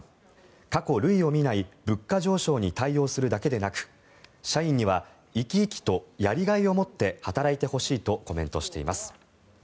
過去、類を見ない物価上昇に対応するだけでなく社員には生き生きとやりがいを持って働いてほしいとコメントしています。